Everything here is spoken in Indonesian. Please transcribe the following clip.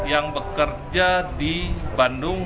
dan bekerja di bandung